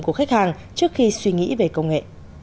của khách hàng trước khi suy nghĩ về công nghệ